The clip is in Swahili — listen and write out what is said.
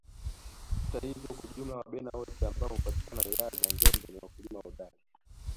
Hata hivyo kwa ujumla Wabena wote ambao hupatikana wilaya za Njombe ni wakulima hodari